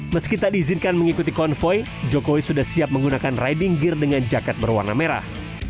meski tak diizinkan mengikuti konvoy jokowi sudah siap menggunakan riding gear dengan jaket berwarna merah